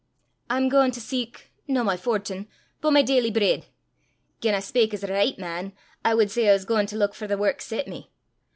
"I'm gaein' to seek no my fortin, but my daily breid. Gien I spak as a richt man, I wad say I was gaein' to luik for the wark set me.